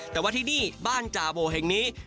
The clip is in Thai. แต่ว่าที่นี่บ้านจาโบแห่งนี้